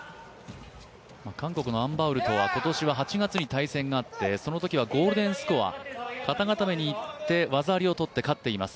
韓国のアン・バウルは今年８月に対戦があってそのときはゴールデンスコア、肩固めにいって技ありをとって勝っています。